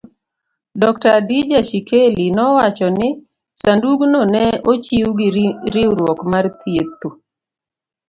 Dr. Khadija Shikely nowacho ni sandugno ne ochiw gi riwruok mar thiedho